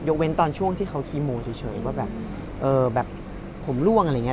เว้นตอนช่วงที่เขาคีโมเฉยว่าแบบผมล่วงอะไรอย่างนี้